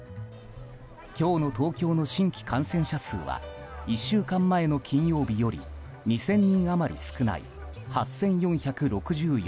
今日の東京の新規感染者数は１週間前の金曜日より２０００人余り少ない８４６４人。